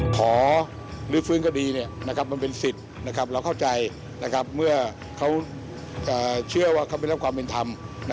ขอรื้อฟื้นคดีมันเป็นสิทธิ์เราเข้าใจเมื่อเขาเชื่อว่าเขาไม่รับความเป็นธรรม